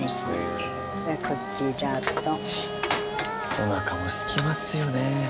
おなかもすきますよね。